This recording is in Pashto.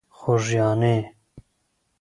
خوږیاڼۍ.